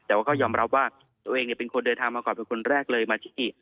แต่ว่าก็ยอมรับว่าตัวเองเป็นคนเดินทางมาก่อนเป็นคนแรกเลยมาที่